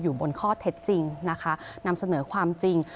อยู่บนข้อเท็จจริงนะคะนำเสนอความจริง